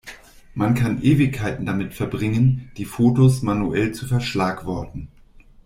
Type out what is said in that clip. Man kann Ewigkeiten damit verbringen, die Fotos manuell zu verschlagworten.